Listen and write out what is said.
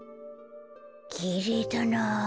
きれいだなあ。